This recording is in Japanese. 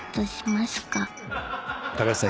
高橋さん